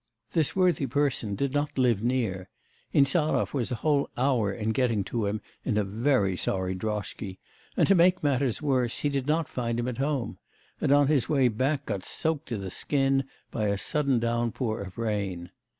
This worthy person did not live near; Insarov was a whole hour in getting to him in a very sorry droshky, and, to make matters worse, he did not find him at home; and on his way back got soaked to the skin by a sudden downpour of rain.